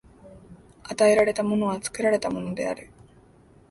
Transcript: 与えられたものは作られたものである。